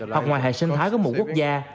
hoặc ngoài hệ sinh thái của một quốc gia